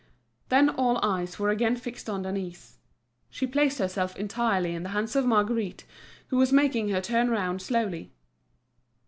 Then all eyes were again fixed on Denise. She placed herself entirely in the hands of Marguerite, who was making her turn round slowly.